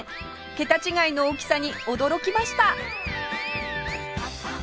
桁違いの大きさに驚きました